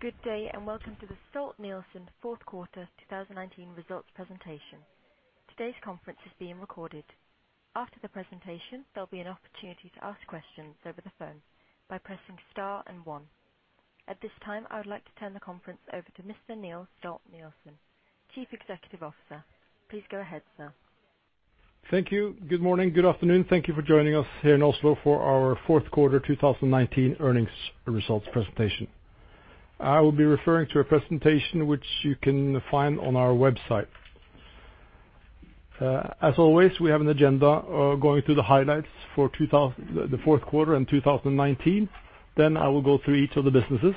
Good day, and welcome to the Stolt-Nielsen fourth quarter 2019 results presentation. Today's conference is being recorded. After the presentation, there'll be an opportunity to ask questions over the phone by pressing star and one. At this time, I would like to turn the conference over to Mr. Niels Stolt-Nielsen, Chief Executive Officer. Please go ahead, sir. Thank you. Good morning. Good afternoon. Thank you for joining us here in Oslo for our fourth quarter 2019 earnings results presentation. I will be referring to a presentation which you can find on our website. As always, we have an agenda going through the highlights for the fourth quarter and 2019. Then I will go through each of the businesses.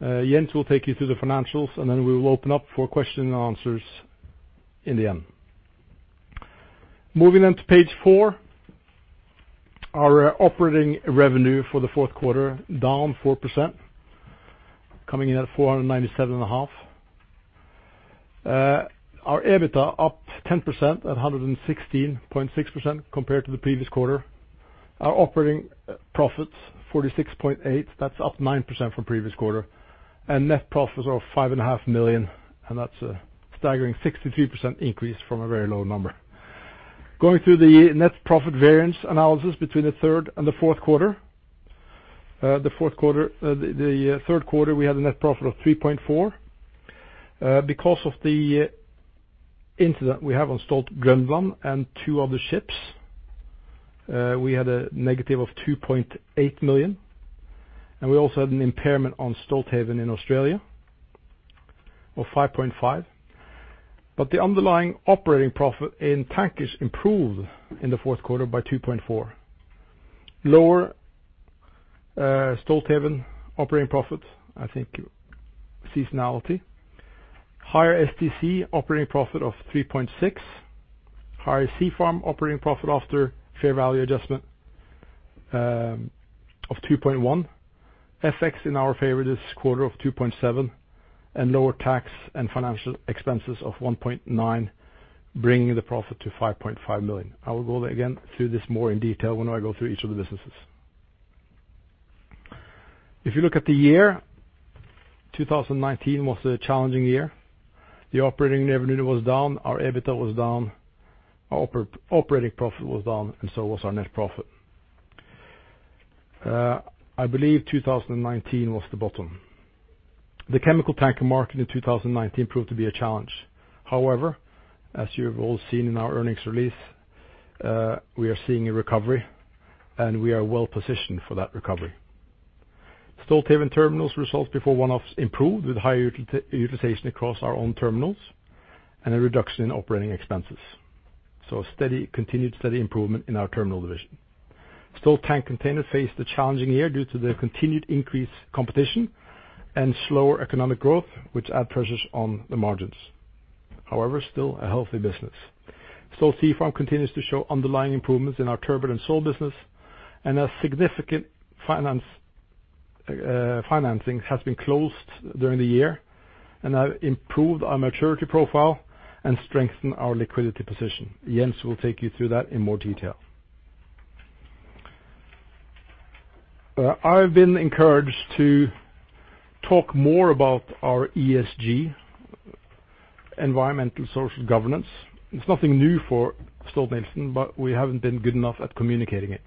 Jens will take you through the financials, then we will open up for question and answers in the end. Moving on to page four, our operating revenue for the fourth quarter, down 4%, coming in at $497.5. Our EBITDA up 10% at $116.6 compared to the previous quarter. Our operating profits $46.8, that's up 9% from previous quarter. Net profits of $5.5 million, that's a staggering 63% increase from a very low number. Going through the net profit variance analysis between the third and the fourth quarter. The third quarter, we had a net profit of $3.4. Because of the incident we have on Stolt Groenland and two other ships, we had a negative of $2.8 million, and we also had an impairment on Stolthaven in Australia of $5.5. The underlying operating profit in Tank is improved in the fourth quarter by $2.4. Lower Stolthaven operating profit, I think seasonality. Higher STC operating profit of $3.6. Higher Stolt Sea Farm operating profit after fair value adjustment of $2.1. FX in our favor this quarter of $2.7 and lower tax and financial expenses of $1.9, bringing the profit to $5.5 million. I will go again through this more in detail when I go through each of the businesses. If you look at the year, 2019 was a challenging year. The operating revenue was down, our EBITDA was down, our operating profit was down, and so was our net profit. I believe 2019 was the bottom. The chemical tanker market in 2019 proved to be a challenge. However, as you've all seen in our earnings release, we are seeing a recovery, and we are well-positioned for that recovery. Stolthaven Terminals results before one-offs improved with higher utilization across our own terminals and a reduction in operating expenses. A continued steady improvement in our terminal division. Stolt Tank Containers faced a challenging year due to the continued increased competition and slower economic growth, which add pressures on the margins. Still a healthy business. Stolt Sea Farm continues to show underlying improvements in our turbot and sole business, and a significant financing has been closed during the year and have improved our maturity profile and strengthened our liquidity position. Jens will take you through that in more detail. I've been encouraged to talk more about our ESG, environmental social governance. It is nothing new for Stolt-Nielsen, but we haven't been good enough at communicating it,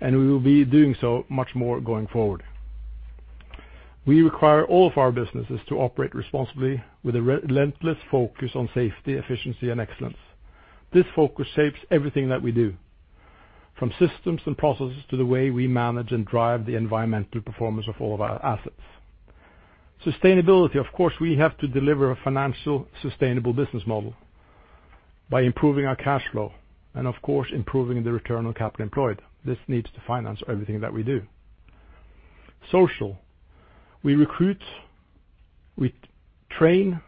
and we will be doing so much more going forward. We require all of our businesses to operate responsibly with a relentless focus on safety, efficiency, and excellence. This focus shapes everything that we do, from systems and processes to the way we manage and drive the environmental performance of all of our assets. Sustainability, of course, we have to deliver a financial, sustainable business model by improving our cash flow and, of course, improving the return on capital employed. This needs to finance everything that we do. Social. We recruit, we train,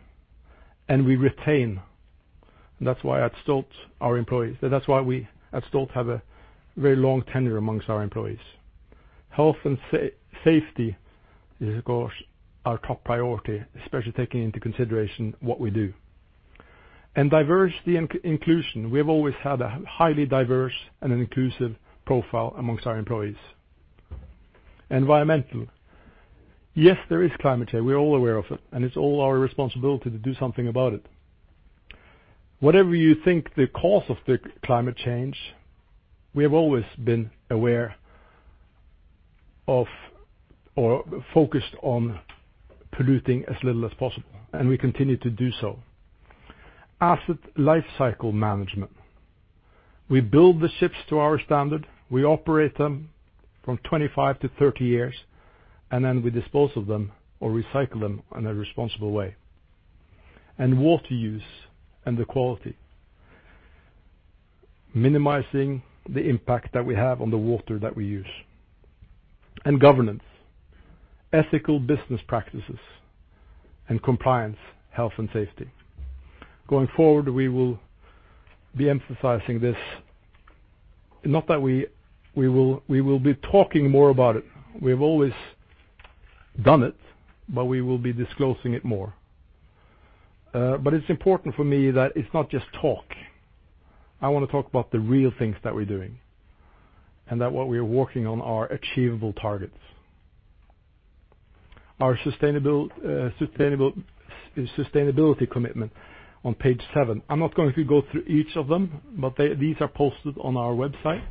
and we retain. That is why we at Stolt have a very long tenure amongst our employees. Health and safety is, of course, our top priority, especially taking into consideration what we do. Diversity and inclusion. We have always had a highly diverse and an inclusive profile amongst our employees. Environmental. Yes, there is climate change. We're all aware of it, and it's all our responsibility to do something about it. Whatever you think the cause of the climate change, we have always been aware of or focused on polluting as little as possible, and we continue to do so. Asset lifecycle management. We build the ships to our standard. We operate them from 25-30 years, and then we dispose of them or recycle them in a responsible way. Water use and the quality. Minimizing the impact that we have on the water that we use. Governance. Ethical business practices and compliance, health, and safety. Going forward, we will be emphasizing this. Not that we will be talking more about it. We have always done it, but we will be disclosing it more. It's important for me that it's not just talk. I want to talk about the real things that we're doing, and that what we are working on are achievable targets. Our sustainability commitment on page seven. I'm not going to go through each of them, but these are posted on our website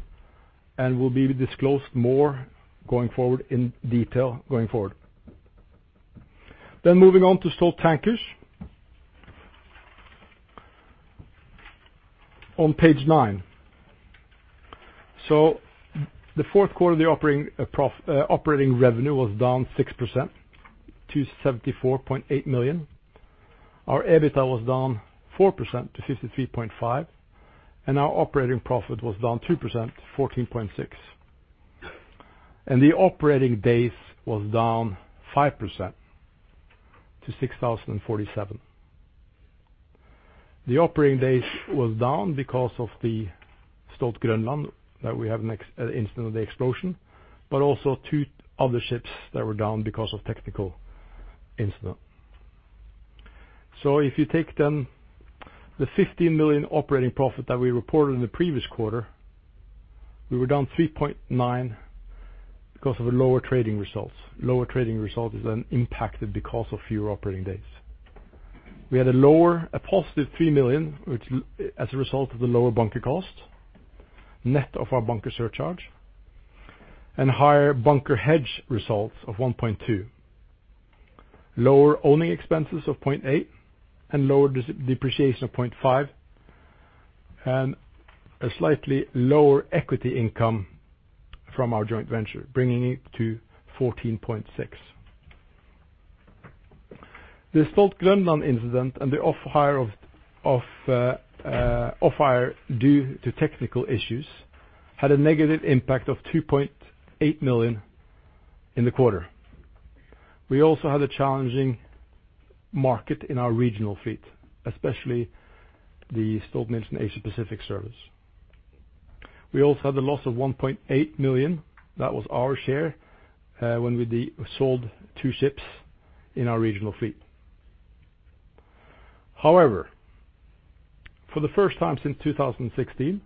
and will be disclosed more in detail going forward. Moving on to Stolt Tankers. On page nine. The fourth quarter operating revenue was down 6% to $74.8 million. Our EBITDA was down 4% to $53.5 million, and our operating profit was down 2%, $14.6 million. The operating days was down 5% to 6,047. The operating days was down because of the Stolt Groenland that we have an incident of the explosion, but also two other ships that were down because of technical incident. If you take them, the $15 million operating profit that we reported in the previous quarter, we were down $3.9 because of lower trading results. Lower trading result is impacted because of fewer operating days. We had a +$3 million as a result of the lower bunker cost, net of our bunker surcharge, and higher bunker hedge results of $1.2. Lower owning expenses of $0.8 and lower depreciation of $0.5, and a slightly lower equity income from our joint venture, bringing it to $14.6. The Stolt Groenland incident and the offhire due to technical issues had a negative impact of $2.8 million in the quarter. We also had a challenging market in our regional fleet, especially the Stolt NYK Asia-Pacific Service. We also had a loss of $1.8 million. That was our share when we sold two ships in our regional fleet. However, for the first time since 2016,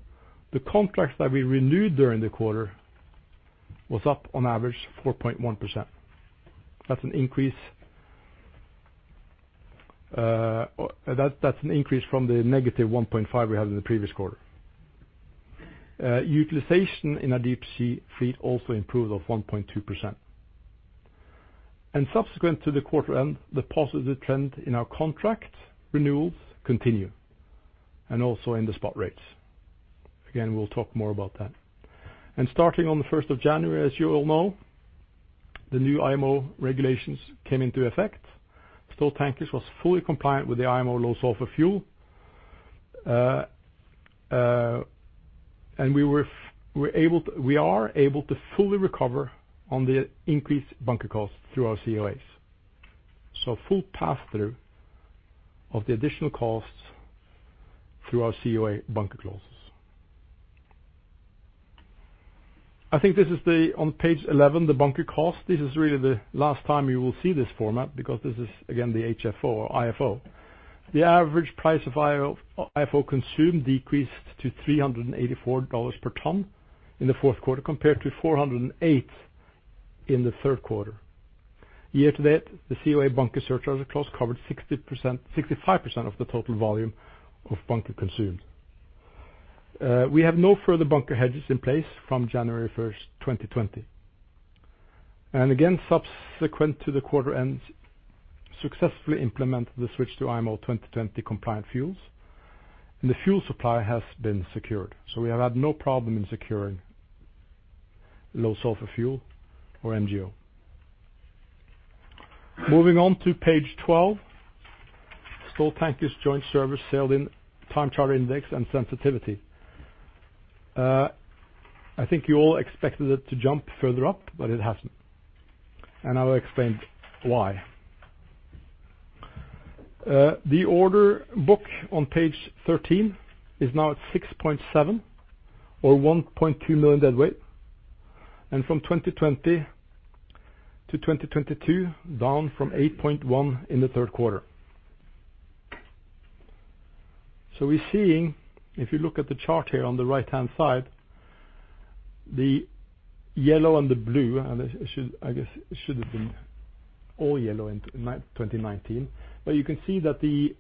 the contracts that we renewed during the quarter was up on average 4.1%. That's an increase from the -1.5% we had in the previous quarter. Utilization in our deep sea fleet also improved of 1.2%. Subsequent to the quarter end, the positive trend in our contract renewals continue, and also in the spot rates. Again, we'll talk more about that. Starting on the 1st of January, as you all know, the new IMO regulations came into effect. Stolt Tankers was fully compliant with the IMO low sulfur fuel. We are able to fully recover on the increased bunker cost through our COAs. Full passthrough of the additional costs through our COA bunker clauses. I think this is on page 11, the bunker cost. This is really the last time you will see this format because this is, again, the HFO or IFO. The average price of IFO consumed decreased to $384 per ton in the fourth quarter, compared to $408 in the third quarter. Year-to-date, the COA bunker surcharge clause covered 65% of the total volume of bunker consumed. We have no further bunker hedges in place from January 1st, 2020. Subsequent to the quarter end, successfully implemented the switch to IMO 2020 compliant fuels, and the fuel supply has been secured. We have had no problem in securing low sulfur fuel or MGO. Moving on to page 12. Stolt Tankers Joint Service Time Charter Index and Sensitivity. I think you all expected it to jump further up, but it hasn't, and I will explain why. The order book on page 13 is now at 6.7 or 1.2 million deadweight, and from 2020 to 2022, down from 8.1 in the third quarter. We're seeing, if you look at the chart here on the right-hand side, the yellow and the blue, and I guess it should have been all yellow in 2019. You can see that the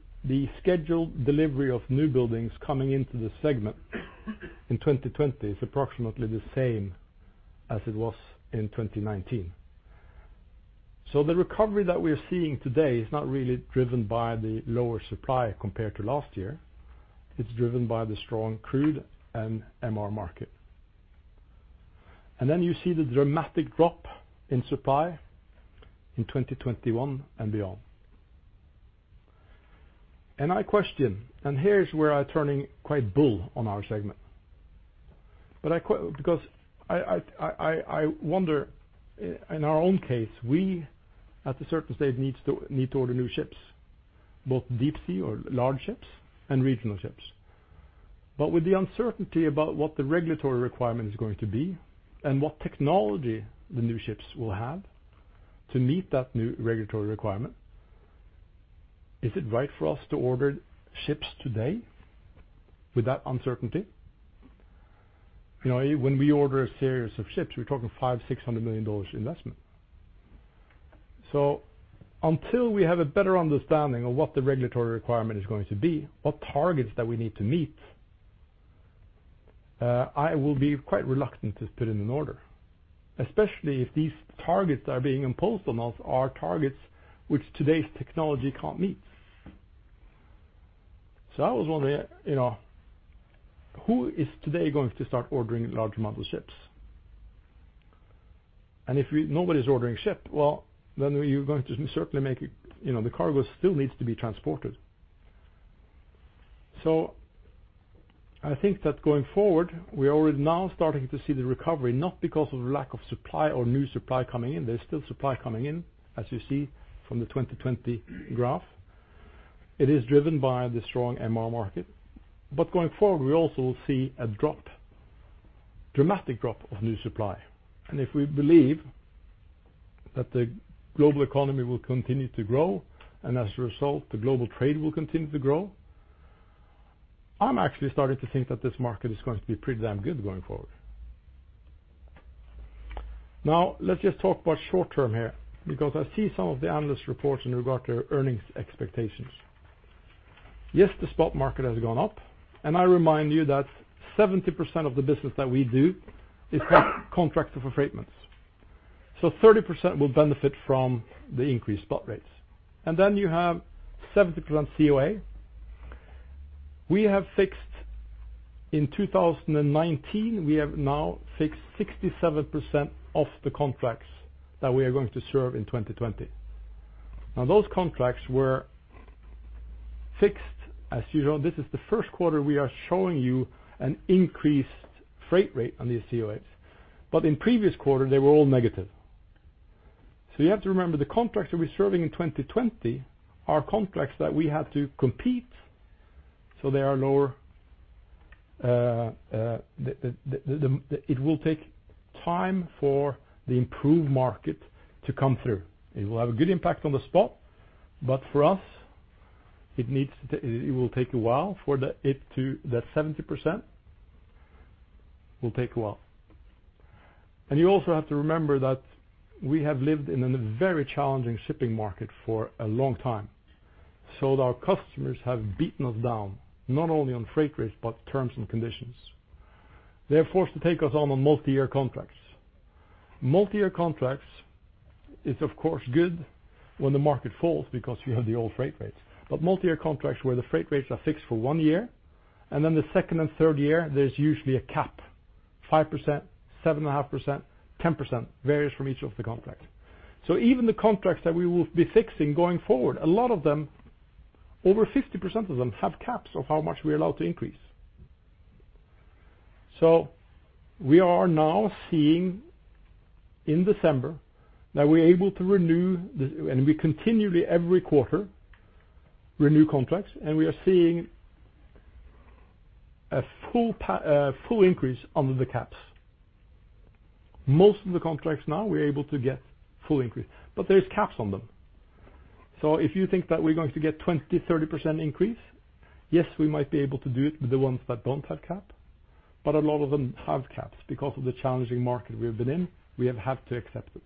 scheduled delivery of new buildings coming into the segment in 2020 is approximately the same as it was in 2019. The recovery that we are seeing today is not really driven by the lower supply compared to last year. It's driven by the strong crude and MR market. Then you see the dramatic drop in supply in 2021 and beyond. I question, and here's where I turning quite bull on our segment. I wonder, in our own case, we at a certain stage need to order new ships, both deep sea or large ships and regional ships. With the uncertainty about what the regulatory requirement is going to be and what technology the new ships will have to meet that new regulatory requirement, is it right for us to order ships today with that uncertainty? When we order a series of ships, we're talking $500 million, $600 million investment. Until we have a better understanding of what the regulatory requirement is going to be, what targets that we need to meet, I will be quite reluctant to put in an order, especially if these targets that are being imposed on us are targets which today's technology can't meet. I was wondering, who is today going to start ordering large amount of ships? If nobody's ordering ship, well, the cargo still needs to be transported. I think that going forward, we are now starting to see the recovery, not because of lack of supply or new supply coming in. There's still supply coming in, as you see from the 2020 graph. It is driven by the strong MR market. Going forward, we also will see a dramatic drop of new supply. If we believe that the global economy will continue to grow, and as a result, the global trade will continue to grow, I'm actually starting to think that this market is going to be pretty damn good going forward. Let's just talk about short term here, because I see some of the analyst reports in regard to earnings expectations. The spot market has gone up, and I remind you that 70% of the business that we do is Contracts of Affreightment. 30% will benefit from the increased spot rates. You have 70% COA. In 2019, we have now fixed 67% of the contracts that we are going to serve in 2020. Those contracts were fixed. As usual, this is the first quarter we are showing you an increased freight rate on these COAs. In previous quarters, they were all negative. You have to remember, the contracts that we're serving in 2020 are contracts that we had to compete, so they are lower. It will take time for the improved market to come through. It will have a good impact on the spot, but for us, it will take a while for that 70%. Will take a while. You also have to remember that we have lived in a very challenging shipping market for a long time. Our customers have beaten us down, not only on freight rates, but terms and conditions. They're forced to take us on on multi-year contracts. Multi-year contracts is, of course, good when the market falls because you have the old freight rates. Multi-year contracts where the freight rates are fixed for one year, and then the second and third year, there's usually a cap, 5%, 7.5%, 10%, varies from each of the contracts. Even the contracts that we will be fixing going forward, a lot of them, over 50% of them have caps of how much we're allowed to increase. We are now seeing in December that we're able to renew, and we continually every quarter renew contracts, and we are seeing a full increase under the caps. Most of the contracts now we're able to get full increase, but there's caps on them. If you think that we're going to get 20%, 30% increase, yes, we might be able to do it with the ones that don't have cap, but a lot of them have caps. Because of the challenging market we have been in, we have had to accept it.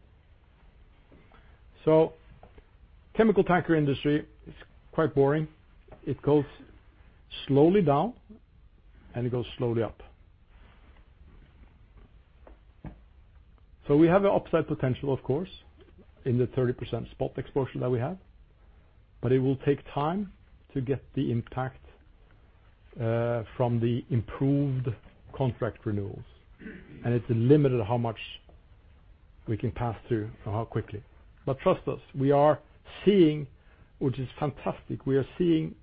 Chemical tanker industry is quite boring. It goes slowly down, and it goes slowly up. We have the upside potential, of course, in the 30% spot exposure that we have, but it will take time to get the impact from the improved contract renewals. It's limited how much we can pass through and how quickly. Trust us, we are seeing, which is fantastic. We are seeing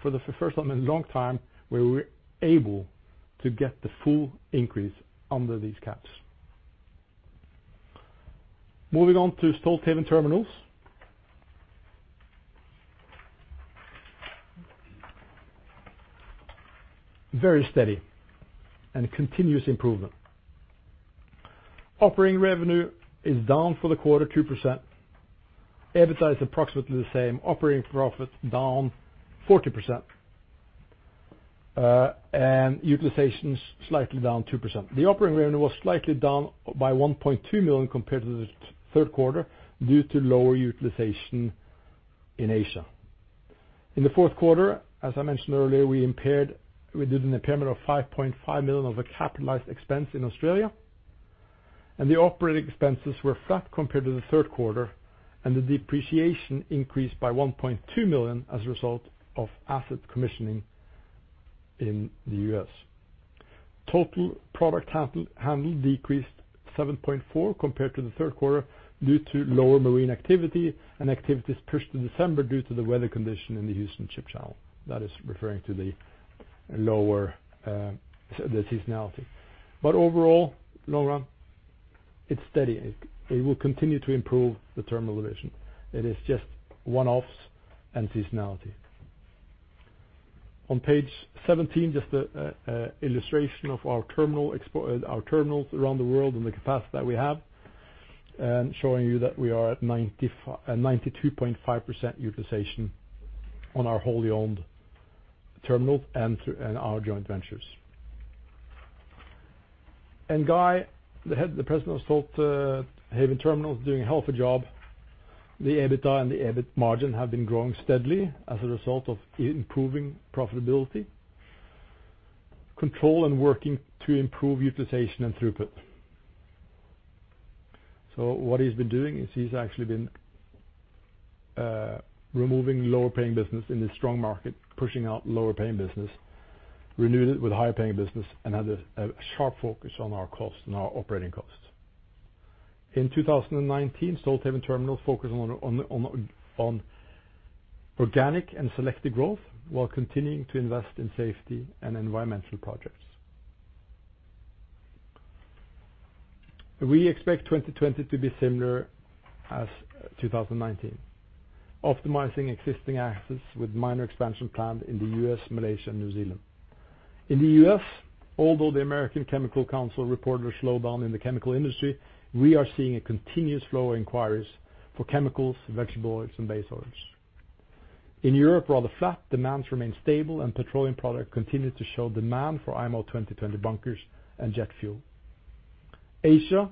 for the first time in a long time where we're able to get the full increase under these caps. Moving on to Stolthaven Terminals. Very steady and continuous improvement. Operating revenue is down for the quarter 2%. EBITDA is approximately the same. Operating profit down 40%. Utilization is slightly down 2%. The operating revenue was slightly down by $1.2 million compared to the third quarter due to lower utilization in Asia. In the fourth quarter, as I mentioned earlier, we did an impairment of $5.5 million of a capitalized expense in Australia, and the operating expenses were flat compared to the third quarter, and the depreciation increased by $1.2 million as a result of asset commissioning in the U.S. Total product handled decreased 7.4% compared to the third quarter due to lower marine activity and activities pushed to December due to the weather condition in the Houston Ship Channel. That is referring to the seasonality. Overall, Avenir. It's steady. It will continue to improve the terminal division. It is just one-offs and seasonality. On page 17, just an illustration of our terminals around the world and the capacity that we have, and showing you that we are at 92.5% utilization on our wholly-owned terminals and our joint ventures. Guy, the President of Stolthaven Terminals, is doing a hell of a job. The EBITDA and the EBIT margin have been growing steadily as a result of improving profitability, control, and working to improve utilization and throughput. What he's been doing is he's actually been removing lower-paying business in this strong market, pushing out lower-paying business, renewing it with higher-paying business, and had a sharp focus on our costs and our operating costs. In 2019, Stolthaven Terminals focused on organic and selective growth while continuing to invest in safety and environmental projects. We expect 2020 to be similar as 2019, optimizing existing assets with minor expansion planned in the U.S., Malaysia, and New Zealand. In the U.S., although the American Chemistry Council reported a slowdown in the chemical industry, we are seeing a continuous flow of inquiries for chemicals, vegetable oils, and base oils. In Europe, rather flat demands remain stable and petroleum product continued to show demand for IMO 2020 bunkers and jet fuel. Asia,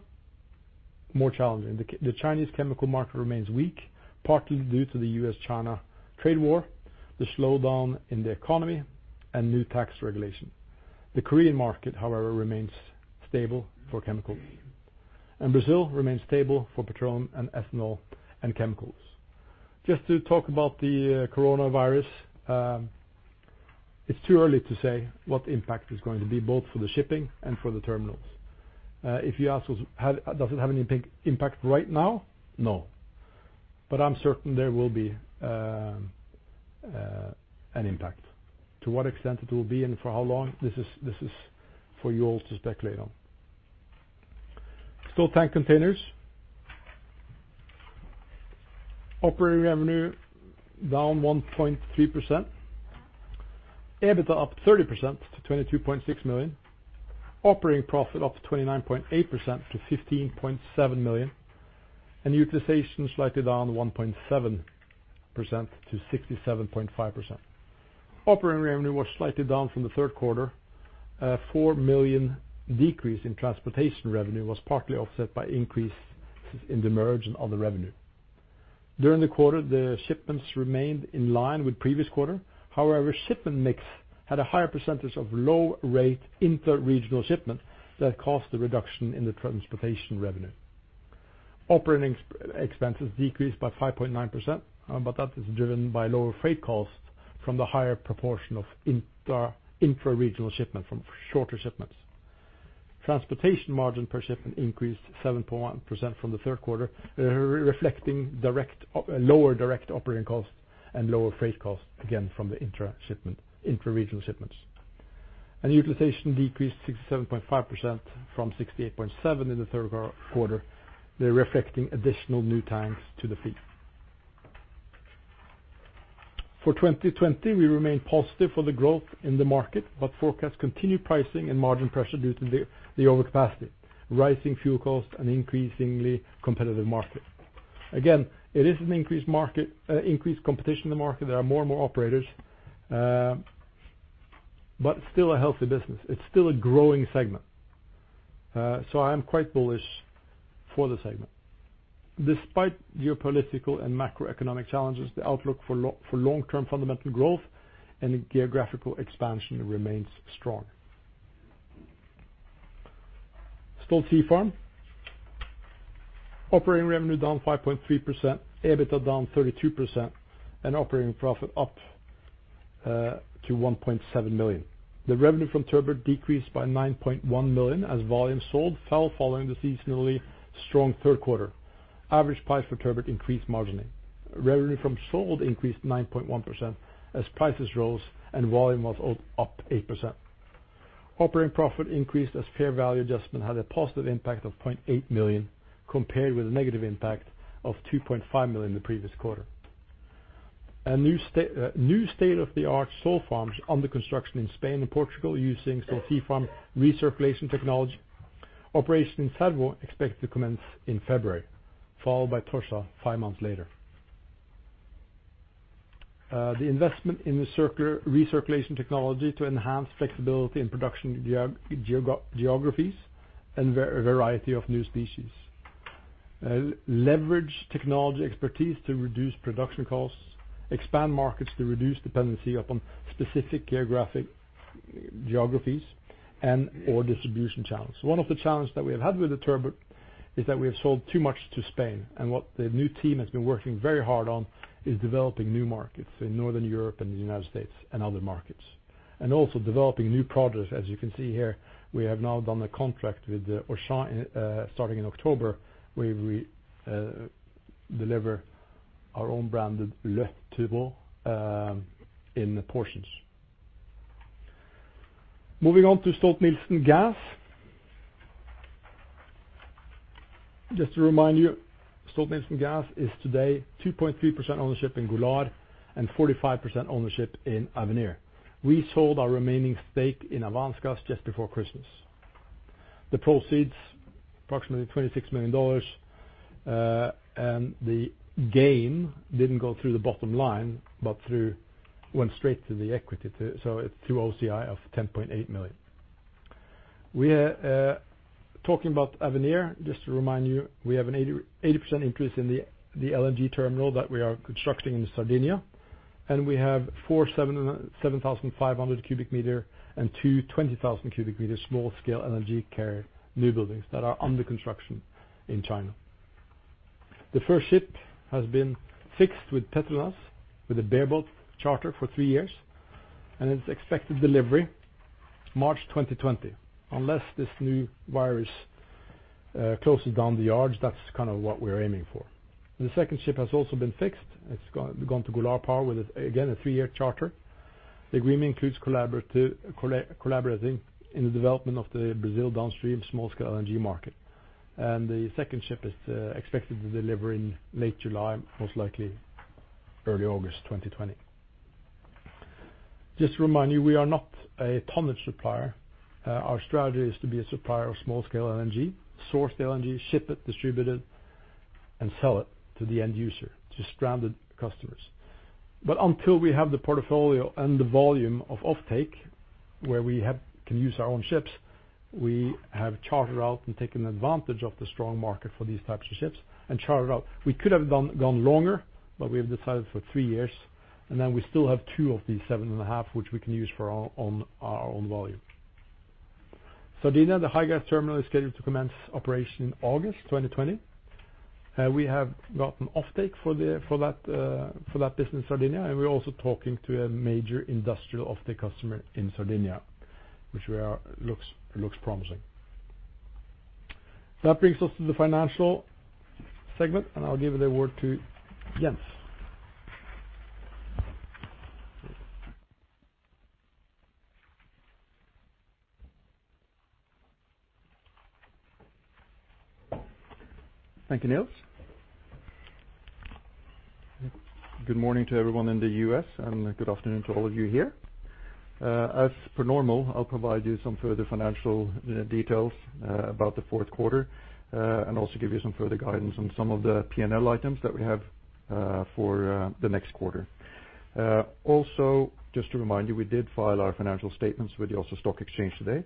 more challenging. The Chinese chemical market remains weak, partly due to the U.S.-China trade war, the slowdown in the economy, and new tax regulation. The Korean market, however, remains stable for chemicals. Brazil remains stable for petroleum and ethanol and chemicals. Just to talk about the coronavirus, it's too early to say what the impact is going to be, both for the shipping and for the terminals. If you ask us, does it have any big impact right now? No. I'm certain there will be an impact. To what extent it will be and for how long, this is for you all to speculate on. Stolt Tank Containers. Operating revenue down 1.3%. EBITDA up 30% to $22.6 million. Operating profit up 29.8% to $15.7 million, and utilization slightly down 1.7% to 67.5%. Operating revenue was slightly down from the third quarter. A $4 million decrease in transportation revenue was partly offset by increase in demurrage and other revenue. During the quarter, the shipments remained in line with previous quarter. Shipment mix had a higher percentage of low rate intra-regional shipments that caused the reduction in the transportation revenue. Operating expenses decreased by 5.9%, that is driven by lower freight costs from the higher proportion of intra-regional shipments from shorter shipments. Transportation margin per shipment increased 7.1% from the third quarter, reflecting lower direct operating costs and lower freight costs, again from the intra-regional shipments. Utilization decreased 67.5% from 68.7% in the third quarter, there reflecting additional new tanks to the fleet. For 2020, we remain positive for the growth in the market, but forecast continued pricing and margin pressure due to the overcapacity, rising fuel cost, and increasingly competitive market. Again, it is an increased competition in the market. There are more and more operators, but still a healthy business. It's still a growing segment. I am quite bullish for the segment. Despite geopolitical and macroeconomic challenges, the outlook for long-term fundamental growth and geographical expansion remains strong. Stolt Sea Farm. Operating revenue down 5.3%, EBITDA down 32%, and operating profit up to $1.7 million. The revenue from turbot decreased by $9.1 million as volume sold fell following the seasonally strong third quarter. Average price for turbot increased marginally. Revenue from sole increased 9.1% as prices rose and volume was up 8%. Operating profit increased as fair value adjustment had a positive impact of $0.8 million compared with a negative impact of $2.5 million the previous quarter. A new state-of-the-art Stolt Sea Farm under construction in Spain and Portugal using Stolt Sea Farm recirculation technology. Operation in Cervo expected to commence in February, followed by Tocha five months later. The investment in the recirculation technology to enhance flexibility in production geographies and a variety of new species. Leverage technology expertise to reduce production costs, expand markets to reduce dependency upon specific geographies and/or distribution channels. One of the challenges that we have had with the turbot is that we have sold too much to Spain. What the new team has been working very hard on is developing new markets in Northern Europe and the United States and other markets. Also developing new products. As you can see here, we have now done a contract with Auchan starting in October, where we deliver our own branded turbot in portions. Moving on to Stolt-Nielsen Gas. Just to remind you, Stolt-Nielsen Gas is today 2.3% ownership in Golar and 45% ownership in Avenir. We sold our remaining stake in Avance Gas just before Christmas. The proceeds, approximately $26 million. The gain didn't go through the bottom line, but went straight through the equity. It's through OCI of $10.8 million. We are talking about Avenir, just to remind you, we have an 80% interest in the LNG terminal that we are constructing in Sardinia, and we have four 7,500 cu m and two 20,000 cu me small-scale LNG carrier new buildings that are under construction in China. The first ship has been fixed with Petronas with a bareboat charter for three years, and it's expected delivery March 2020. Unless this new virus closes down the yards, that's kind of what we're aiming for. The second ship has also been fixed. It's gone to Golar Power with, again, a three-year charter. The agreement includes collaborating in the development of the Brazil downstream small-scale LNG market. The second ship is expected to deliver in late July, most likely early August 2020. Just to remind you, we are not a tonnage supplier. Our strategy is to be a supplier of small-scale LNG, source the LNG, ship it, distribute it, and sell it to the end user, to stranded customers. Until we have the portfolio and the volume of offtake where we can use our own ships, we have chartered out and taken advantage of the strong market for these types of ships and chartered out. We could have gone longer, but we have decided for three years, and then we still have two of these 7.5, which we can use for our own volume. Sardinia, the Higas terminal is scheduled to commence operation in August 2020. We have gotten offtake for that business in Sardinia, and we're also talking to a major industrial offtake customer in Sardinia, which looks promising. That brings us to the financial segment, and I'll give the word to Jens. Thank you, Niels. Good morning to everyone in the U.S., and good afternoon to all of you here. As per normal, I'll provide you some further financial details about the fourth quarter, and also give you some further guidance on some of the P&L items that we have for the next quarter. Also, just to remind you, we did file our financial statements with the Oslo Stock Exchange today,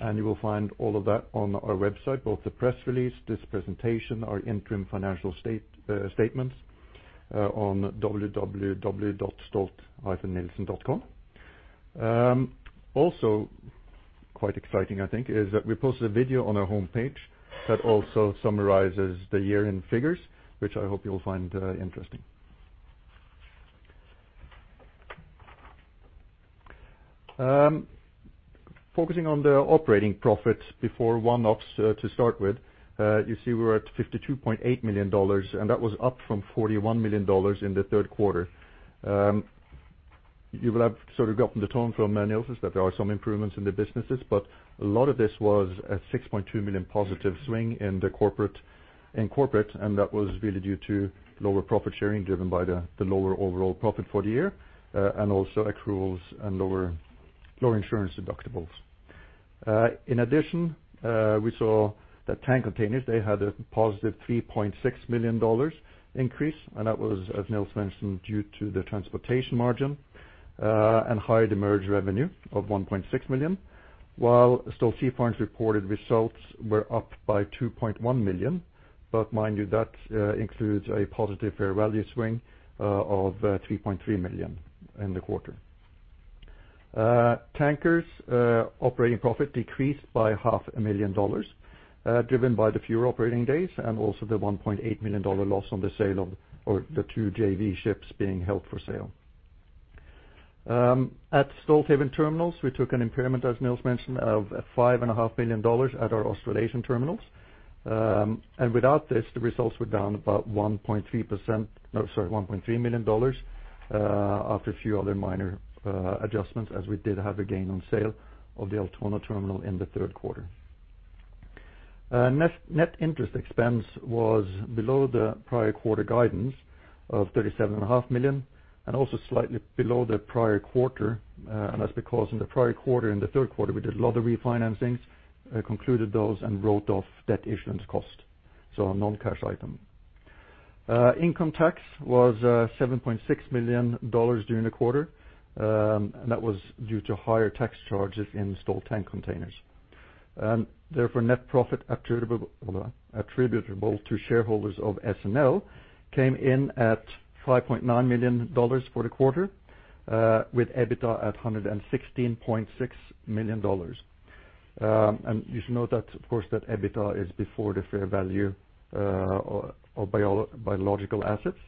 and you will find all of that on our website, both the press release, this presentation, our interim financial statements on www.stolt-nielsen.com. Also quite exciting, I think, is that we posted a video on our homepage that also summarizes the year-end figures, which I hope you'll find interesting. Focusing on the operating profit before one-offs to start with, you see we're at $52.8 million, and that was up from $41 million in the third quarter. You will have sort of gotten the tone from Niels that there are some improvements in the businesses, but a lot of this was a $6.2 million positive swing in corporate, and that was really due to lower profit sharing, driven by the lower overall profit for the year, and also accruals and lower insurance deductibles. In addition, we saw that Stolt Tank Containers, they had a +$3.6 million increase, and that was, as Niels mentioned, due to the transportation margin, and higher demurrage revenue of $1.6 million. Stolt Sea Farm's reported results were up by $2.1 million. Mind you, that includes a positive fair value swing of $3.3 million in the quarter. Stolt Tankers operating profit decreased by $500,000, driven by the fewer operating days and also the $1.8 million loss on the sale of the two JV ships being held for sale. At Stolthaven Terminals, we took an impairment, as Niels mentioned, of $5.5 million at our Australasian terminals. Without this, the results were down about $1.3 million after a few other minor adjustments, as we did have a gain on sale of the Altona terminal in the third quarter. Net interest expense was below the prior quarter guidance of $37.5 million and also slightly below the prior quarter. That's because in the prior quarter, in the third quarter, we did a lot of refinancings, concluded those, and wrote off debt issuance cost. A non-cash item. Income tax was $7.6 million during the quarter. That was due to higher tax charges in Stolt Tank Containers. Therefore, net profit attributable to shareholders of SNL came in at $5.9 million for the quarter, with EBITDA at $116.6 million. You should note that, of course, that EBITDA is before the fair value of biological assets,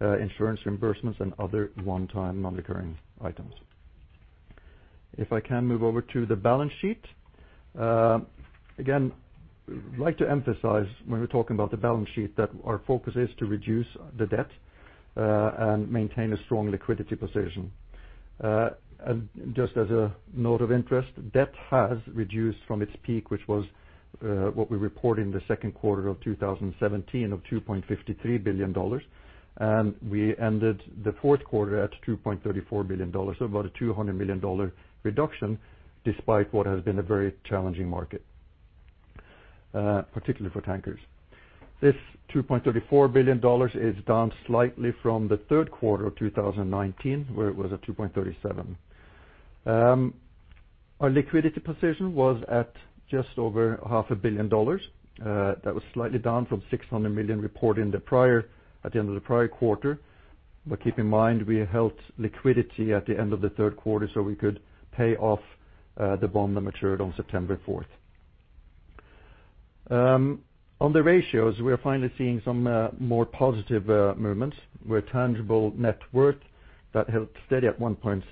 insurance reimbursements, and other one-time non-recurring items. If I can move over to the balance sheet. Again, like to emphasize when we're talking about the balance sheet, that our focus is to reduce the debt and maintain a strong liquidity position. Just as a note of interest, debt has reduced from its peak, which was what we report in the second quarter of 2017 of $2.53 billion. We ended the fourth quarter at $2.34 billion, so about a $200 million reduction despite what has been a very challenging market, particularly for tankers. This $2.34 billion is down slightly from the third quarter of 2019, where it was at $2.37 billion. Our liquidity position was at just over half a billion dollars. That was slightly down from $600 million reported at the end of the prior quarter. Keep in mind, we held liquidity at the end of the third quarter so we could pay off the bond that matured on September 4th. On the ratios, we are finally seeing some more positive movements where tangible net worth that held steady at $1.6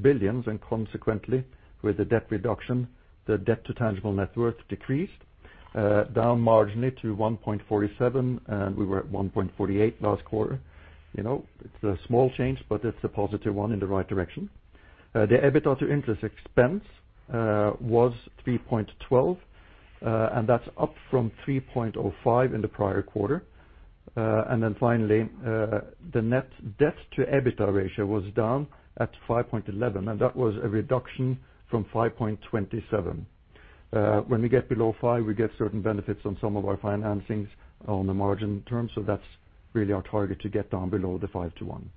billion and consequently, with the debt reduction, the debt to tangible net worth decreased down marginally to 1.47 and we were at 1.48 last quarter. It's a small change, it's a positive one in the right direction. The EBITDA to interest expense was 3.12, that's up from 3.05 in the prior quarter. Finally, the net debt to EBITDA ratio was down at 5.11, that was a reduction from 5.27. When we get below five, we get certain benefits on some of our financings on the margin terms. That's really our target to get down below the five to one.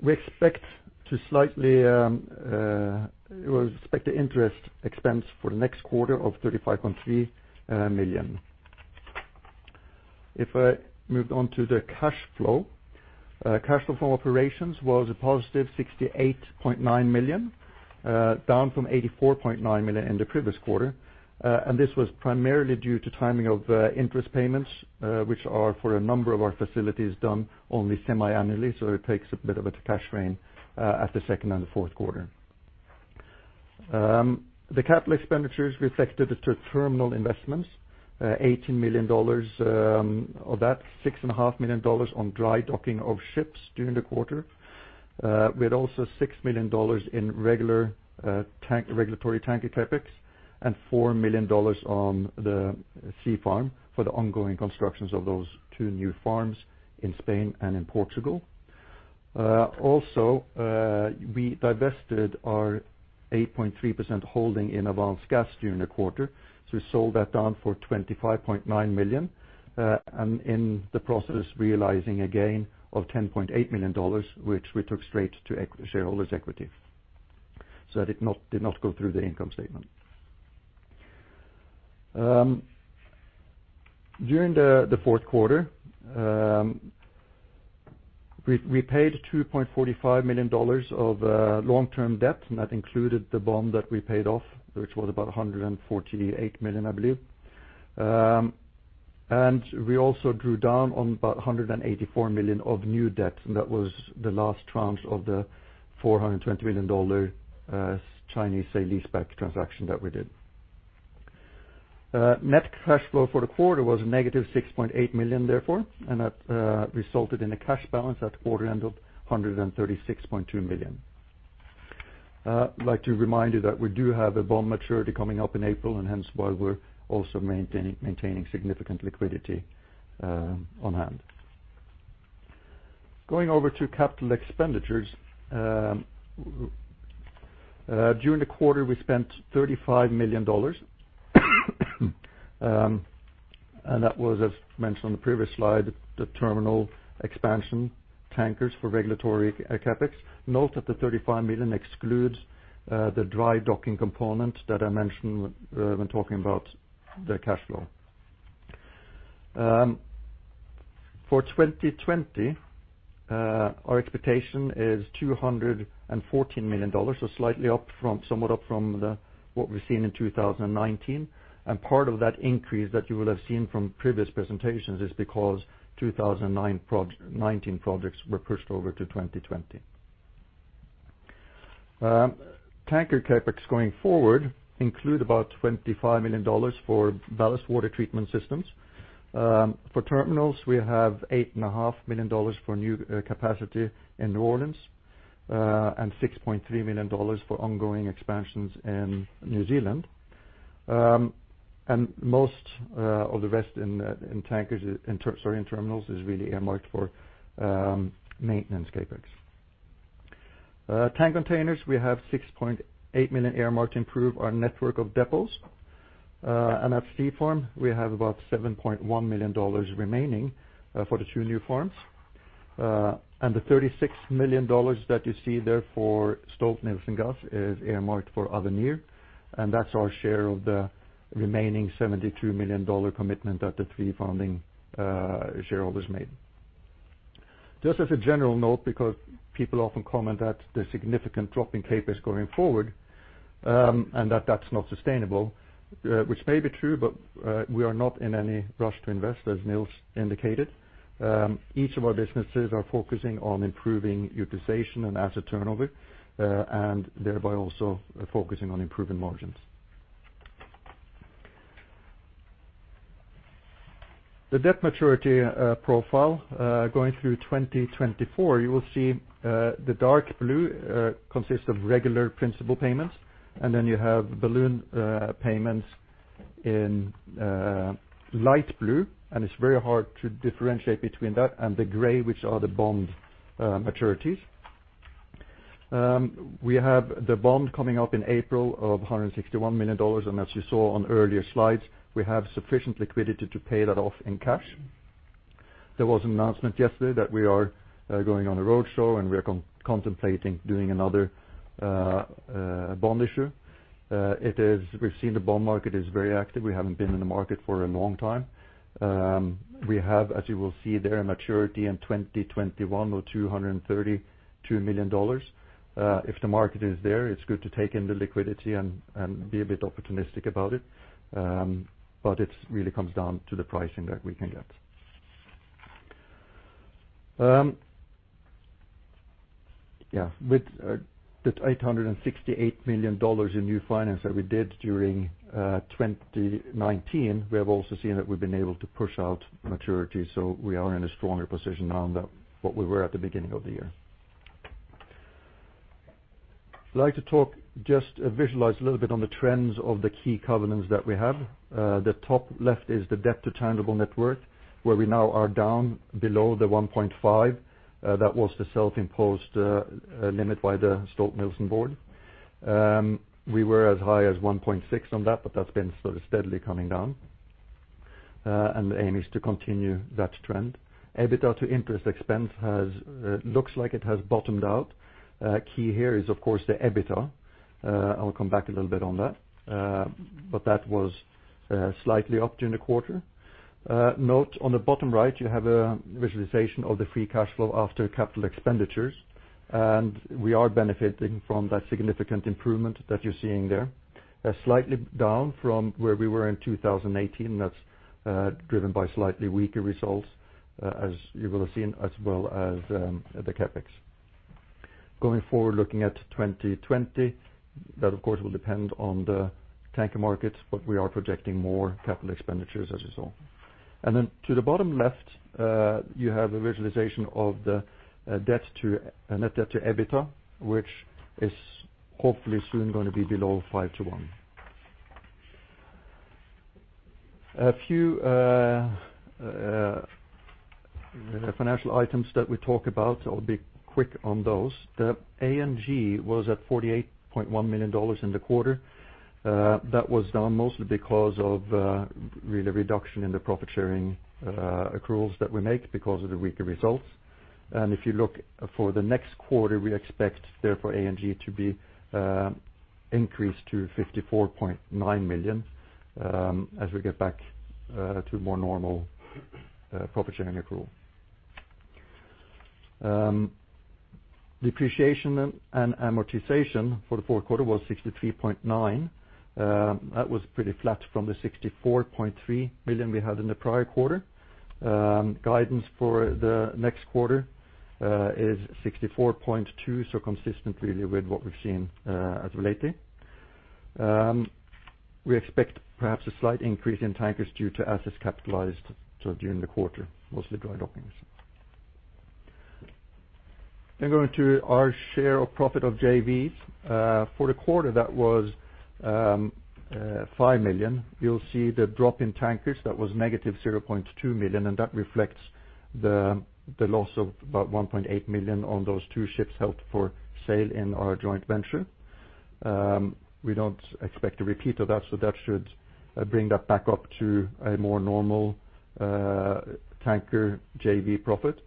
We expect the interest expense for the next quarter of $35.3 million. If I moved on to the cash flow. Cash flow from operations was a +$68.9 million, down from $84.9 million in the previous quarter. This was primarily due to timing of interest payments, which are for a number of our facilities done only semiannually, so it takes a bit of a cash drain at the second and the fourth quarter. The capital expenditures reflected the terminal investments, $18 million of that, $6.5 million on dry docking of ships during the quarter. We had also $6 million in regular regulatory tanker CapEx and $4 million on the Sea Farm for the ongoing constructions of those two new farms in Spain and in Portugal. Also, we divested our 8.3% holding in Avance Gas during the quarter. We sold that down for $25.9 million, and in the process realizing a gain of $10.8 million, which we took straight to shareholders' equity. It did not go through the income statement. During the fourth quarter, we paid $2.45 million of long-term debt, and that included the bond that we paid off, which was about $148 million, I believe. We also drew down on about $184 million of new debt, and that was the last tranche of the $420 million Chinese sale leaseback transaction that we did. Net cash flow for the quarter was a -$6.8 million, therefore, and that resulted in a cash balance at the quarter end of $136.2 million. I'd like to remind you that we do have a bond maturity coming up in April, and hence why we're also maintaining significant liquidity on hand. Going over to capital expenditures. During the quarter, we spent $35 million, and that was, as mentioned on the previous slide, the terminal expansion tankers for regulatory CapEx. Note that the $35 million excludes the dry docking component that I mentioned when talking about the cash flow. For 2020, our expectation is $214 million, so somewhat up from what we've seen in 2019. Part of that increase that you will have seen from previous presentations is because 2019 projects were pushed over to 2020. Tanker CapEx going forward include about $25 million for ballast water treatment systems. For terminals, we have $8.5 million for new capacity in New Orleans, and $6.3 million for ongoing expansions in New Zealand. Most of the rest in terminals is really earmarked for maintenance CapEx. Tank containers, we have $6.8 million earmarked to improve our network of depots. At Stolt Sea Farm, we have about $7.1 million remaining for the two new farms. The $36 million that you see there for Stolt-Nielsen Gas is earmarked for Avenir, and that's our share of the remaining $73 million commitment that the three founding shareholders made. Just as a general note, because people often comment that the significant drop in CapEx going forward, and that that's not sustainable, which may be true, but we are not in any rush to invest, as Niels indicated. Each of our businesses are focusing on improving utilization and asset turnover, and thereby also focusing on improving margins. The debt maturity profile going through 2024, you will see the dark blue consists of regular principal payments, and then you have balloon payments in light blue, and it's very hard to differentiate between that and the gray, which are the bond maturities. We have the bond coming up in April of $161 million, and as you saw on earlier slides, we have sufficient liquidity to pay that off in cash. There was an announcement yesterday that we are going on a roadshow, and we are contemplating doing another bond issue. We've seen the bond market is very active. We haven't been in the market for a long time. We have, as you will see there, a maturity in 2021 of $232 million. If the market is there, it's good to take in the liquidity and be a bit opportunistic about it, but it really comes down to the pricing that we can get. That $868 million in new finance that we did during 2019, we have also seen that we've been able to push out maturity, we are in a stronger position now than what we were at the beginning of the year. I'd like to just visualize a little bit on the trends of the key covenants that we have. The top left is the debt to tangible net worth, where we now are down below the 1.5. That was the self-imposed limit by the Stolt-Nielsen board. We were as high as 1.6 on that's been steadily coming down, the aim is to continue that trend. EBITDA to interest expense, looks like it has bottomed out. Key here is, of course, the EBITDA. I will come back a little bit on that. That was slightly up during the quarter. Note on the bottom right, you have a visualization of the free cash flow after capital expenditures. We are benefiting from that significant improvement that you're seeing there. Slightly down from where we were in 2018. That's driven by slightly weaker results, as you will have seen, as well as the CapEx. Going forward, looking at 2020, that of course will depend on the tanker markets, but we are projecting more capital expenditures, as you saw. To the bottom left, you have a visualization of the net debt to EBITDA, which is hopefully soon going to be below five to one. A few financial items that we talk about, I'll be quick on those. The A&G was at $48.1 million in the quarter. That was down mostly because of really reduction in the profit sharing accruals that we make because of the weaker results. If you look for the next quarter, we expect, therefore, A&G to be increased to $54.9 million as we get back to more normal profit sharing accrual. Depreciation and amortization for the fourth quarter was $63.9. That was pretty flat from the $64.3 million we had in the prior quarter. Guidance for the next quarter is $64.2, so consistent really with what we've seen as of lately. We expect perhaps a slight increase in tankers due to assets capitalized during the quarter, mostly dry dockings. Going to our share of profit of JVs. For the quarter, that was $5 million. You'll see the drop in tankers. That was -$0.2 million, and that reflects the loss of about $1.8 million on those two ships held for sale in our joint venture. We don't expect a repeat of that, so that should bring that back up to a more normal tanker JV profit.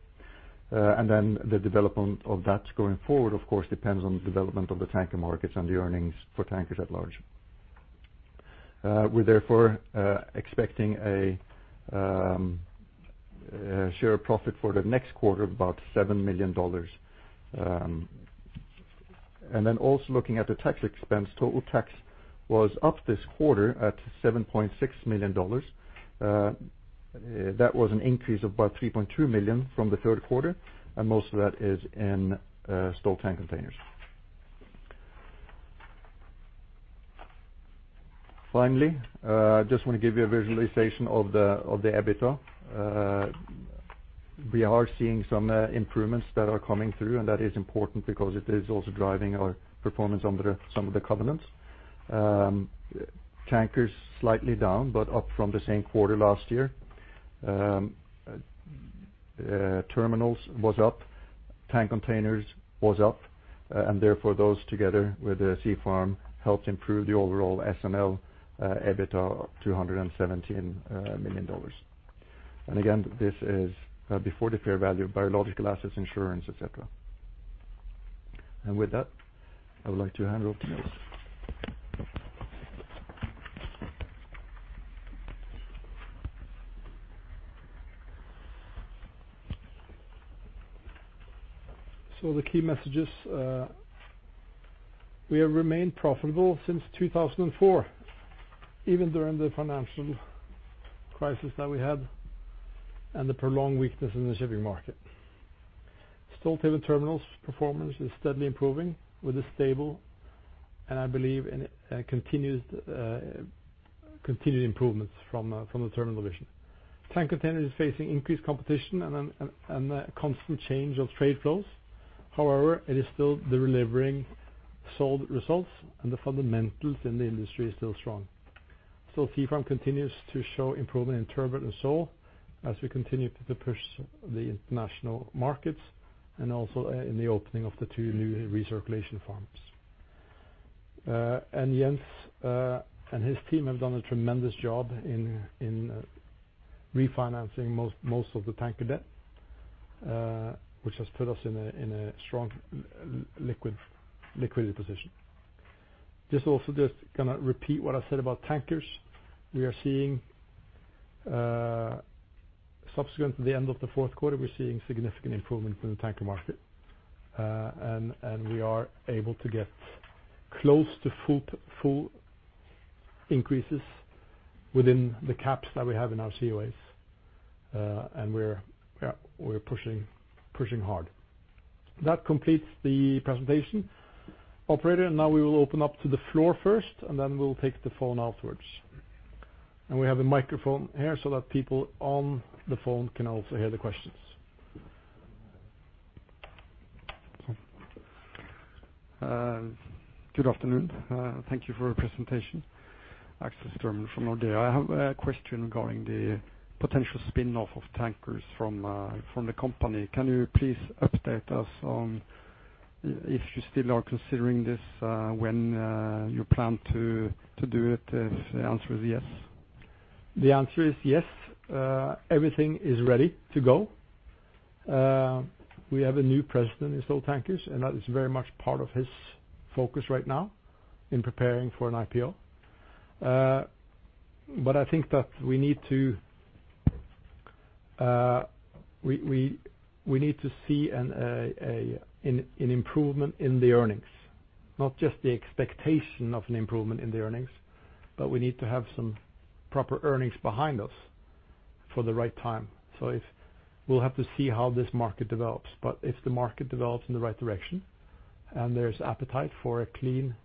The development of that going forward, of course, depends on the development of the tanker markets and the earnings for tankers at large. We're therefore expecting a share of profit for the next quarter of about $7 million. Also looking at the tax expense, total tax was up this quarter at $7.6 million. That was an increase of about $3.2 million from the third quarter, and most of that is in Stolt Tank Containers. Finally, just want to give you a visualization of the EBITDA. We are seeing some improvements that are coming through, and that is important because it is also driving our performance under some of the covenants. Stolt Tankers slightly down, but up from the same quarter last year. Stolthaven Terminals was up, Stolt Tank Containers was up, therefore, those together with the Stolt Sea Farm helped improve the overall SNL EBITDA to $117 million. Again, this is before the fair value of biological assets, insurance, et cetera. With that, I would like to hand over to Niels. The key message is we have remained profitable since 2004, even during the financial crisis that we had and the prolonged weakness in the shipping market. Stolthaven Terminals performance is steadily improving with a stable, and I believe continued improvements from the terminal division. Tank Container is facing increased competition and a constant change of trade flows. It is still delivering solid results and the fundamentals in the industry is still strong. Stolt Sea Farm continues to show improvement in turbot and sole, as we continue to push the international markets and also in the opening of the two new recirculation farms. Jens and his team have done a tremendous job in refinancing most of the tanker debt, which has put us in a strong liquidity position. Just also going to repeat what I said about tankers. Subsequent to the end of the fourth quarter, we're seeing significant improvement in the tanker market. We are able to get close to full increases within the caps that we have in our COAs. We're pushing hard. That completes the presentation. Operator, now we will open up to the floor first, then we will take the phone afterwards. We have a microphone here so that people on the phone can also hear the questions. Good afternoon. Thank you for your presentation. Axel Styrman from Nordea. I have a question regarding the potential spinoff of tankers from the company. Can you please update us on if you still are considering this, when you plan to do it, if the answer is yes? The answer is yes. Everything is ready to go. We have a new president in Stolt Tankers. That is very much part of his focus right now in preparing for an IPO. I think that we need to see an improvement in the earnings, not just the expectation of an improvement in the earnings, but we need to have some proper earnings behind us for the right time. We'll have to see how this market develops. If the market develops in the right direction, and there's appetite for a clean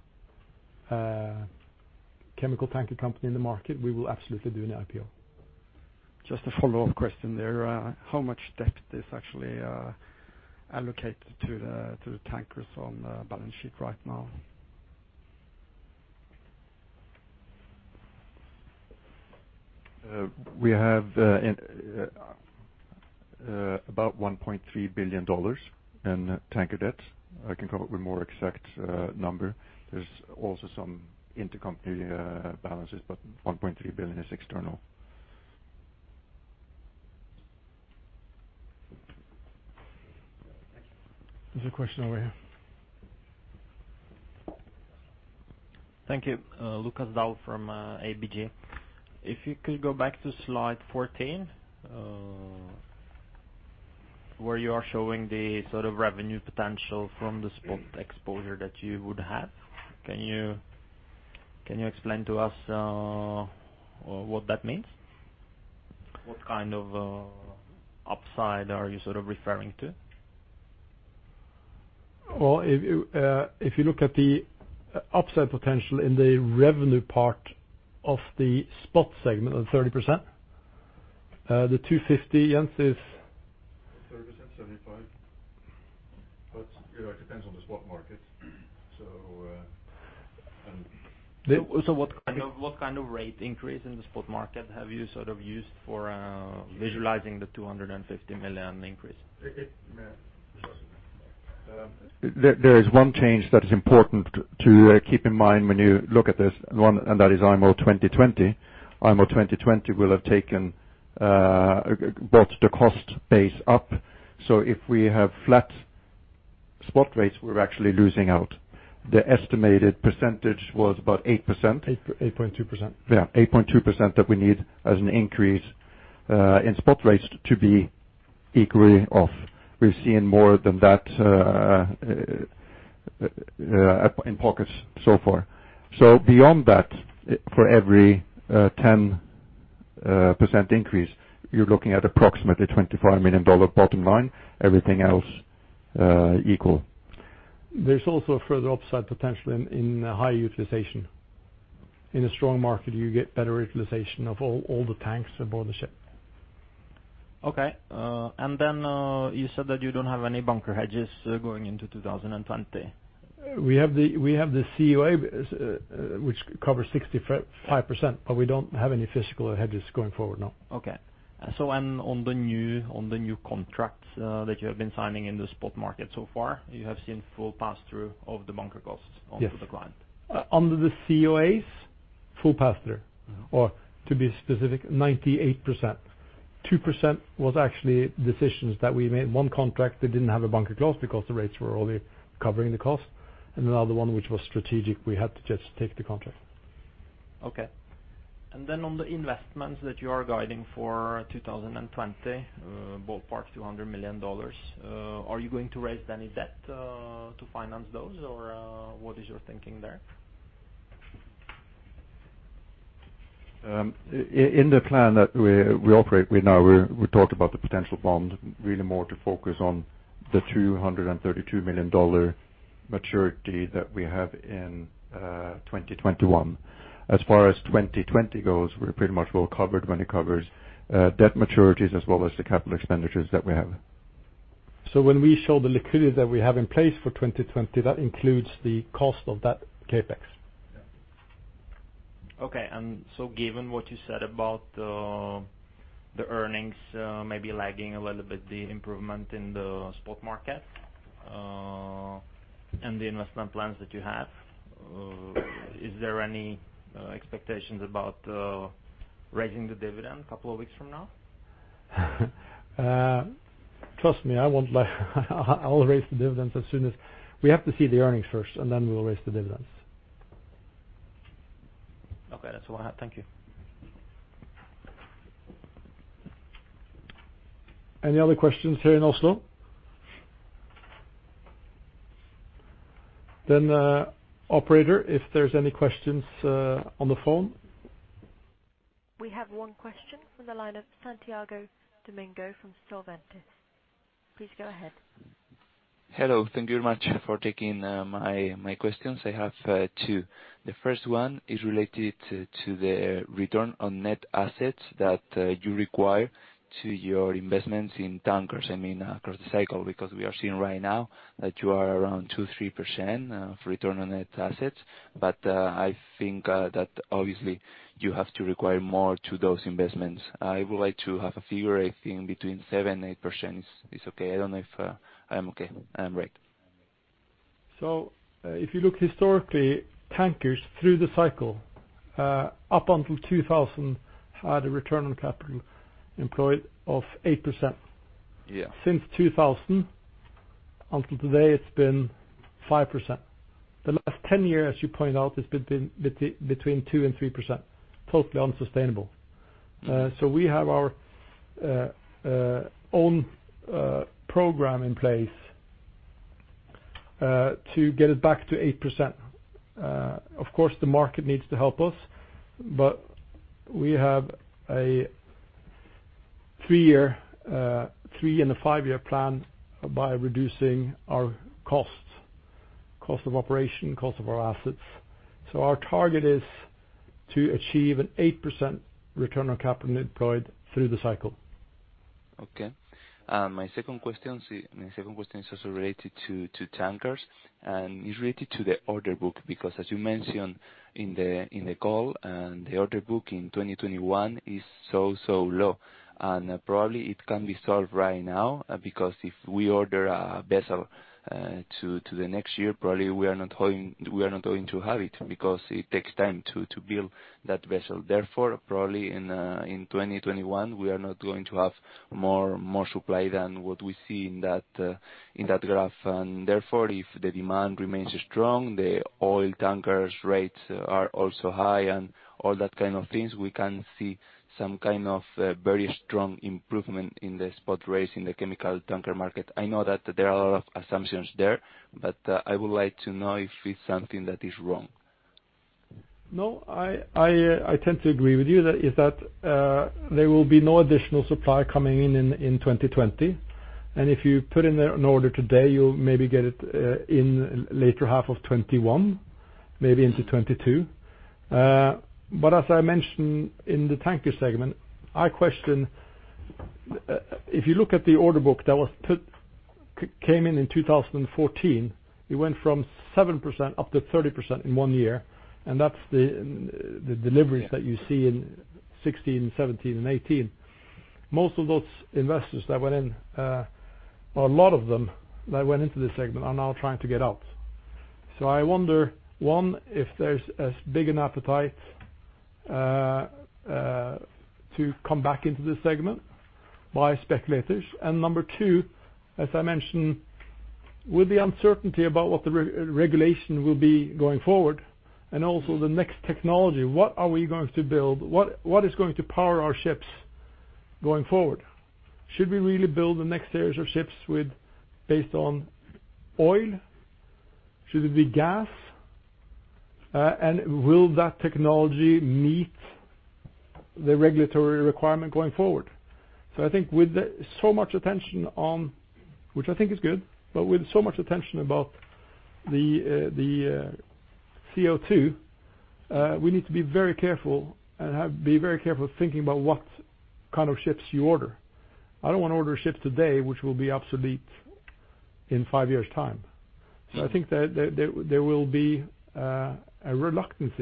chemical tanker company in the market, we will absolutely do an IPO. Just a follow-up question there. How much debt is actually allocated to the tankers on the balance sheet right now? We have about $1.3 billion in tanker debt. I can come up with a more exact number. There is also some intercompany balances, but $1.3 billion is external. There's a question over here. Thank you. Lukas Daul from ABG. If you could go back to slide 14, where you are showing the sort of revenue potential from the spot exposure that you would have. Can you explain to us what that means? What kind of upside are you sort of referring to? Well, if you look at the upside potential in the revenue part of the spot segment of 30%. The $250, Jens is? It depends on the spot market. What kind of rate increase in the spot market have you sort of used for visualizing the $250 million increase? There is one change that is important to keep in mind when you look at this, that is IMO 2020. IMO 2020 will have brought the cost base up. If we have flat spot rates, we're actually losing out. The estimated percentage was about 8%. 8.2%. Yeah, 8.2% that we need as an increase in spot rates to be equally off. We've seen more than that in pockets so far. Beyond that, for every 10% increase, you are looking at approximately $25 million bottom line, everything else equal. There is also a further upside potential in high utilization. In a strong market, you get better utilization of all the tanks aboard the ship. Okay. You said that you don't have any bunker hedges going into 2020. We have the COA, which covers 65%. We don't have any physical hedges going forward, no. Okay. On the new contracts that you have been signing in the spot market so far, you have seen full pass-through of the bunker costs onto the client? Yes. Under the COAs, full pass-through, or to be specific, 98%. 2% was actually decisions that we made. One contract that didn't have a bunker clause because the rates were already covering the cost. Another one, which was strategic, we had to just take the contract. Okay. On the investments that you are guiding for 2020, ballpark $200 million. Are you going to raise any debt to finance those, or what is your thinking there? In the plan that we operate with now, we talked about the potential bond really more to focus on the $232 million maturity that we have in 2021. As far as 2020 goes, we're pretty much well covered when it covers debt maturities as well as the capital expenditures that we have. When we show the liquidity that we have in place for 2020, that includes the cost of that CapEx. Okay. Given what you said about the earnings maybe lagging a little bit, the improvement in the spot market, and the investment plans that you have, is there any expectations about raising the dividend couple of weeks from now? Trust me, I will raise the dividends. We have to see the earnings first, and then we will raise the dividends. Okay. That's all I have. Thank you. Any other questions here in Oslo? Operator, if there is any questions on the phone? We have one question from the line of Santiago Domingo from Solventis. Please go ahead. Hello. Thank you very much for taking my questions. I have two. The first one is related to the return on net assets that you require to your investments in tankers, I mean, across the cycle, because we are seeing right now that you are around 2%, 3% of return on net assets. I think that obviously you have to require more to those investments. I would like to have a figure, I think between seven, 8% is okay. I don't know if I am okay, I am right. If you look historically, tankers through the cycle up until 2000 had a return on capital employed of 8%. Yeah. Since 2000 until today, it's been 5%. The last 10 years, as you pointed out, it's been between 2% and 3%, totally unsustainable. We have our own program in place to get it back to 8%. Of course, the market needs to help us, but we have a three and a five-year plan by reducing our cost of operation, cost of our assets. Our target is to achieve an 8% return on capital employed through the cycle. Okay. My second question is also related to tankers, is related to the order book, because as you mentioned in the call, the order book in 2021 is so low. Probably it can be solved right now, because if we order a vessel to the next year, probably we are not going to have it, because it takes time to build that vessel. Therefore, probably in 2021, we are not going to have more supply than what we see in that graph. If the demand remains strong, the oil tankers rates are also high and all that kind of things, we can see some kind of very strong improvement in the spot rates in the chemical tanker market. I know that there are a lot of assumptions there, but I would like to know if it's something that is wrong. I tend to agree with you that there will be no additional supply coming in in 2020. If you put in an order today, you'll maybe get it in later half of 2021, maybe into 2022. As I mentioned in the tanker segment, if you look at the order book that came in in 2014, it went from 7% up to 30% in one year, and that's the deliveries that you see in 2016, 2017, and 2018. Most of those investors that went in, or a lot of them that went into this segment, are now trying to get out. I wonder, one, if there's as big an appetite to come back into this segment by speculators. Number two, as I mentioned, with the uncertainty about what the regulation will be going forward and also the next technology, what are we going to build? What is going to power our ships going forward? Should we really build the next series of ships based on oil? Should it be gas? Will that technology meet the regulatory requirement going forward? I think with so much attention on, which I think is good, but with so much attention about the CO2, we need to be very careful thinking about what kind of ships you order. I don't want to order ships today which will be obsolete in five years' time. I think that there will be a reluctance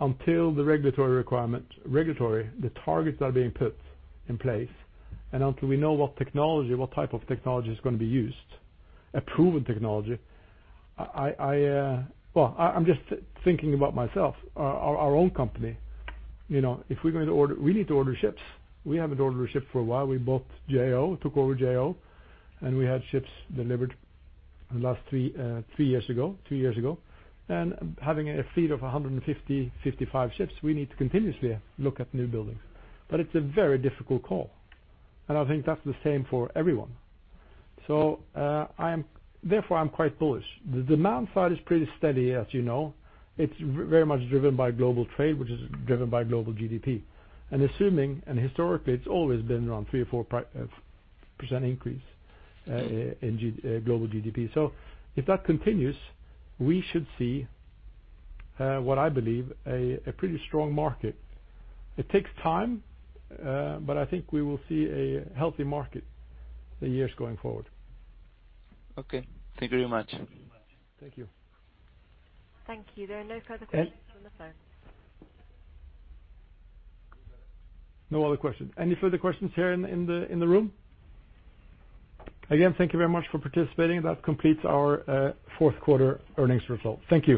until the regulatory targets are being put in place, until we know what type of technology is going to be used, a proven technology. Well, I'm just thinking about myself, our own company. We need to order ships. We haven't ordered a ship for a while. We bought Jo, took over Jo, and we had ships delivered three years ago. Having a fleet of 155 ships, we need to continuously look at new buildings. It's a very difficult call, and I think that's the same for everyone. Therefore, I'm quite bullish. The demand side is pretty steady, as you know. It's very much driven by global trade, which is driven by global GDP. Historically, it's always been around 3% or 4% increase in global GDP. If that continues, we should see what I believe a pretty strong market. It takes time, but I think we will see a healthy market in years going forward. Okay. Thank you very much. Thank you. Thank you. There are no further questions on the phone. No other questions. Any further questions here in the room? Again, thank you very much for participating. That completes our fourth quarter earnings results. Thank you.